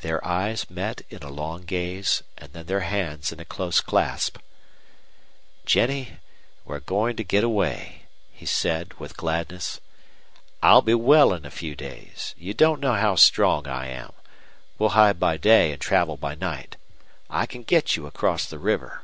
Their eyes met in a long gaze, and then their hands in a close clasp. "Jennie, we're going to get away," he said, with gladness. "I'll be well in a few days. You don't know how strong I am. We'll hide by day and travel by night. I can get you across the river."